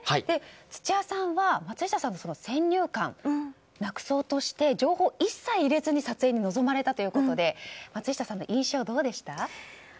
土屋さんは松下さんの先入観をなくそうとして情報を一切いれずに撮影に臨まれたということで松下さんの印象はどうでした？